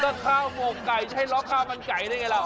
ก็ข้าวหมุกไก่ใช่หรอกข้าวมันไก่ได้ไงล่ะ